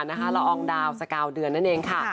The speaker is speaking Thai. ละอองดาวสกาวเดือนนั่นเองค่ะ